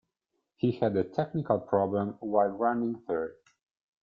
He had a technical problem while running third.